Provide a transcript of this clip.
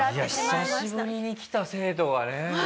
いや久しぶりに来た生徒がね。